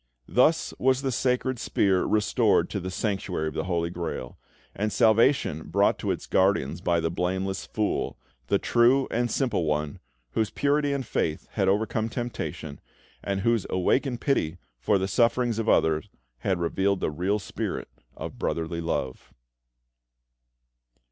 Thus was the sacred spear restored to the Sanctuary of the Holy Grail, and salvation brought to its guardians by the "Blameless Fool," the true and simple one, whose purity and faith had overcome temptation, and whose awakened pity for the sufferings of others had revealed the real spirit of brotherly love.